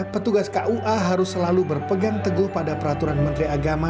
petugas kua harus selalu berpegang teguh pada peraturan menteri agama